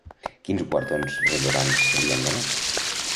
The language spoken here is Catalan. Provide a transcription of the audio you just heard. Quins guardons rellevants se li han donat?